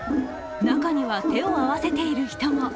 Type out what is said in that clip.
中には手を合わせている人も。